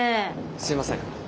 すいません。